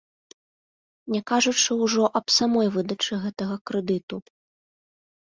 Не кажучы ўжо аб самой выдачы гэтага крэдыту.